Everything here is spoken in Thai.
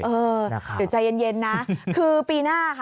เดี๋ยวใจเย็นนะคือปีหน้าค่ะ๒๕๖๓